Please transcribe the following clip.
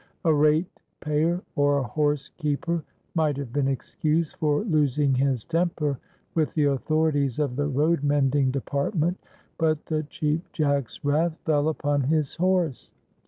A rate payer or a horse keeper might have been excused for losing his temper with the authorities of the road mending department; but the Cheap Jack's wrath fell upon his horse.